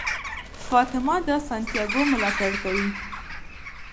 فاطمه د سانتیاګو ملاتړ کوي.